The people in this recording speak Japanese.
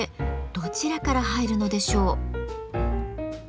どちらから入るのでしょう？